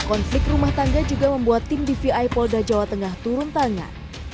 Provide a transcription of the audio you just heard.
konflik rumah tangga juga membuat tim dvi polda jawa tengah turun tangan